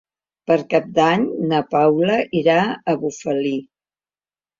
Per Cap d'Any na Paula irà a Bufali.